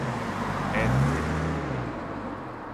Era cedo.